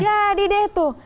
jadi deh tuh